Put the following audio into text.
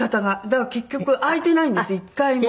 だから結局開いてないんです一回も。